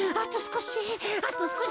あとすこし。